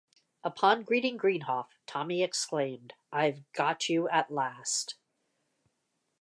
Upon greeting Greenhoff, Tommy exclaimed, I've got you at last.